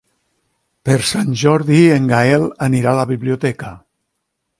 Per Sant Jordi en Gaël anirà a la biblioteca.